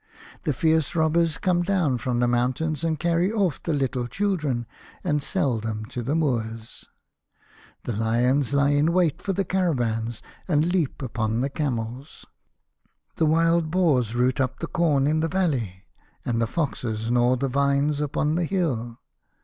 The fierce robbers come down from the moun tains, and carry off the little children, and sell them to the Moors. The 23 A House of Pomegranates. lions lie in wait for the caravans, and leap upon the camels. The wild boar roots up the corn in the valley, and the foxes gnaw the vines upon the hill.